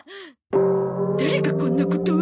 誰がこんなことを。